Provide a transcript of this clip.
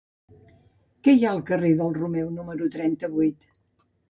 Què hi ha al carrer del Romeu número trenta-vuit?